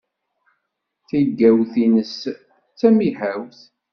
Tigawt-nnes d tamihawt.